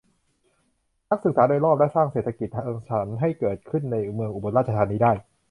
นักศึกษาโดยรอบ และ สร้างเศรษฐกิจสร้างสรรค์ให้เกิดขึ้นในเมืองอุบลราชธานีได้